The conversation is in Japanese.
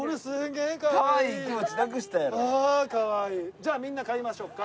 じゃあみんな買いましょうか。